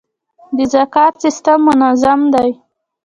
د زکات سیستم منظم دی؟